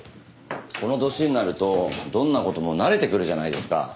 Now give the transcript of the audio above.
この年になるとどんな事も慣れてくるじゃないですか。